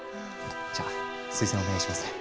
じゃあ推薦お願いしますね！